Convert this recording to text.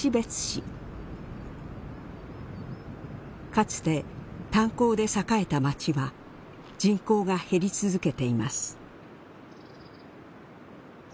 かつて炭鉱で栄えた町は人口が減り続けています。